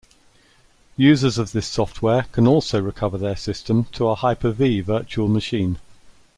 Users of this software can also recover their system to a Hyper-V virtual machine.